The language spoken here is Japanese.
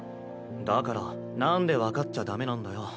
だからなんで分かっちゃダメなんだよ。